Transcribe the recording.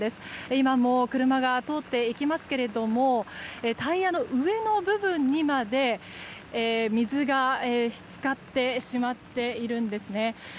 今も車が通っていきますがタイヤの上の部分にまで水が浸かってしまっているんですね。